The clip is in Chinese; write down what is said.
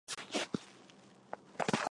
白金温泉